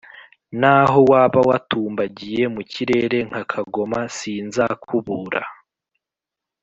n’aho waba watumbagiye mu kirere nka kagoma sinzakubura